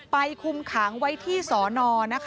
ไปคุมขังไว้ที่สอนอ